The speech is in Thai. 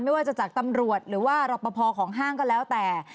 ไม่ว่าจะจากตำรวจหรือว่ารอปภของห้างก็แล้วแต่